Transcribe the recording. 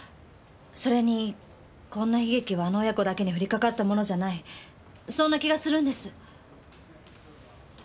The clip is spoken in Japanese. それにこんな悲劇はあの親子だけに降りかかったものじゃないそんな気がするんです。